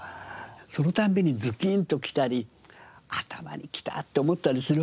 その度にズキンときたり頭にきた！って思ったりするわけですね。